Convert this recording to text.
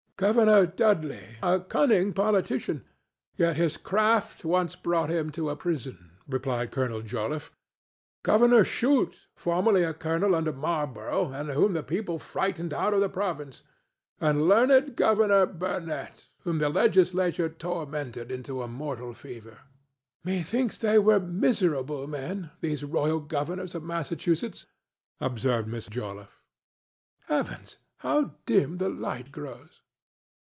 "Governor Dudley, a cunning politician; yet his craft once brought him to a prison," replied Colonel Joliffe. "Governor Shute, formerly a colonel under Marlborough, and whom the people frightened out of the province, and learned Governor Burnett, whom the legislature tormented into a mortal fever." "Methinks they were miserable men—these royal governors of Massachusetts," observed Miss Joliffe. "Heavens! how dim the light grows!"